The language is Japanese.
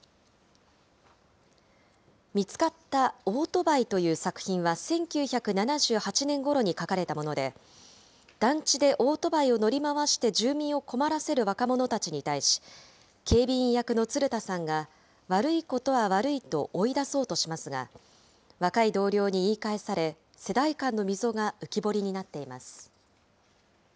見つかった、オートバイという作品は１９７８年ごろに書かれたもので、団地でオートバイを乗り回して住民を困らせる若者たちに対し、警備員役の鶴田さんが、悪いことは悪いと追い出そうとしますが、若い同僚に言い返され、世代間の溝が浮き彫りになっています。